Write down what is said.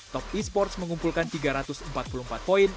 top esports mengumpulkan tiga ratus empat puluh empat poin